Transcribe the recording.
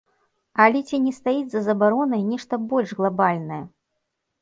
Але ці не стаіць за забаронай нешта больш глабальнае?